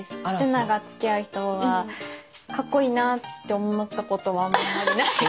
瑠奈がつきあう人はかっこいいなって思ったことはあんまりない。